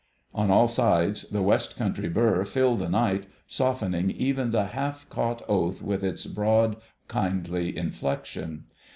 On all sides the West Country burr filled the night, softening even the half caught oath with its broad, kindly inflection.